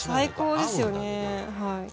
最高ですよね。